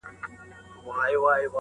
• برخه نه لري له آب او له ادبه -